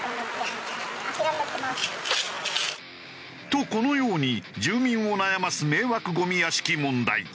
とこのように住民を悩ます迷惑ゴミ屋敷問題。